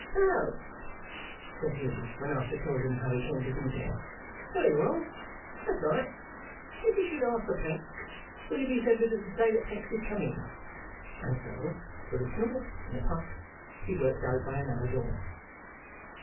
'Oh!' said he, when Arthur told him how he came to be there. 'Very well. That's right. If he should ask for Pancks, will you be so good as to say that Pancks is come in?' And so, with a snort and a puff, he worked out by another door.